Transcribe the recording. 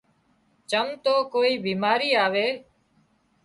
چم تو ڪوئي ٻيماري آوي